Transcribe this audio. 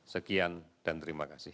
sekian dan terima kasih